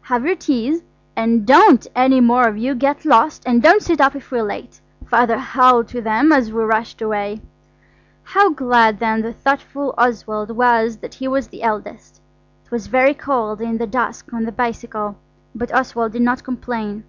"Have your teas; and don't any more of you get lost, and don't sit up if we're late," Father howled to them as we rushed away. How glad then the thoughtful Oswald was that he was the eldest. It was very cold in the dusk on the bicycle, but Oswald did not complain.